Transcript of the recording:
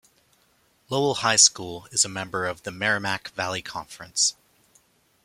Lowell High School is a member of the Merrimack Valley Conference.